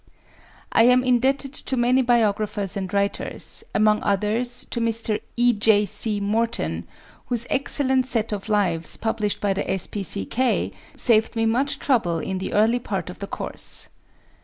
I am indebted to many biographers and writers, among others to Mr. E.J.C. Morton, whose excellent set of lives published by the S.P.C.K. saved me much trouble in the early part of the course.